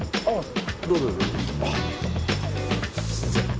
あっ。